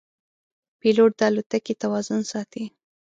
پیلوټ د الوتکې توازن ساتي.